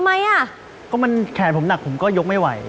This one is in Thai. ทำไมอ่ะก็มันแขนผมหนักผมก็ยกไม่ไหว